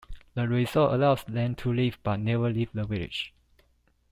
The result allows them to live but never leave the village.